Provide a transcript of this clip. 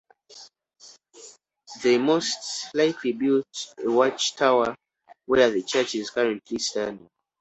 They most likely built a watchtower where the church is currently standing.